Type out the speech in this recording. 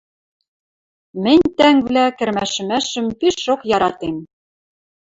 Мӹнь, тӓнгвлӓ, кӹрмӓшӹмӓшӹм пишок яратем.